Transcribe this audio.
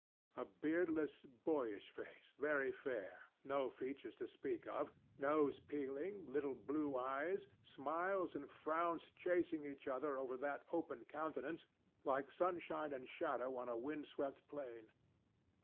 A beardless, boyish face, very fair, no features to speak of, nose peeling, little blue eyes, smiles and frowns chasing each other over that open countenance like sunshine and shadow on a windswept plain.